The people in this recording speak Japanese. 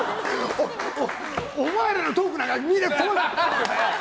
お前らのトークなんて見ない！